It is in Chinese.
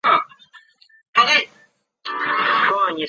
这些公理通常可以被递回地定义。